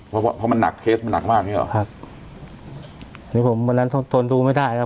เพราะเพราะมันหนักเคสมันหนักมากใช่หรอครับผมวันนั้นต้นต้นดูไม่ได้ครับ